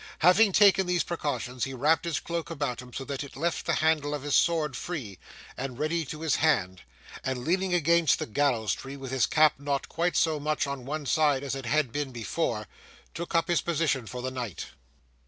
Having taken these precautions, he wrapped his cloak about him so that it left the handle of his sword free, and ready to his hand, and leaning against the gallows tree with his cap not quite so much on one side as it had been before, took up his position for the night.